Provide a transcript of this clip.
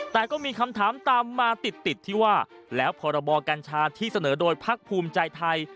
แต่ก็มีคำถามตามมาติดที่ว่าแล้วพกชที่เสนอโดยพภไทย